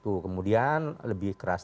oke tuh kemudian lebih keras